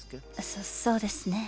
そそうですねえ